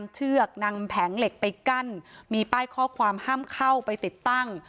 เชือกนำแผงเหล็กไปกั้นมีป้ายข้อความห้ามเข้าไปติดตั้ง